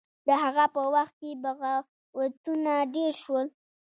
د هغه په وخت کې بغاوتونه ډیر شول.